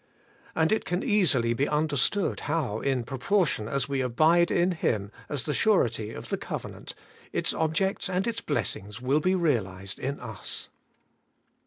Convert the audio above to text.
And it can easily be under stood how, in proportion as we abide in Him as the surety of the covenant, its objects and its blessings will be realized in us.